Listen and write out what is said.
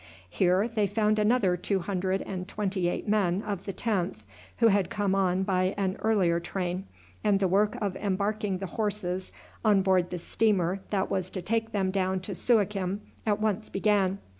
Here they found another two hundred and twenty eight men of the 10th who had come on by an earlier train, and the work of embarking the horses on board the steamer that was to take them down to Suakim at once began.